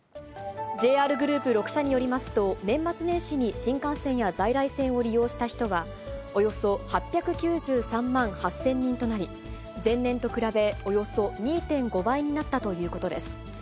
ＪＲグループ６社によりますと、年末年始に新幹線や在来線を利用した人は、およそ８９３万８０００人となり、前年と比べ、およそ２．５倍になったということです。